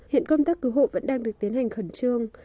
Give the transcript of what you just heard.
hiện công tác cứu hộ vẫn đang được tiến hành khẩn trương